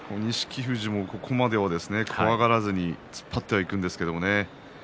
富士も、ここまでは怖がらずに突っ張っていくんですけれどもね。